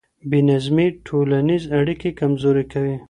بې نظمي ټولنيز اړيکي کمزوري کوي.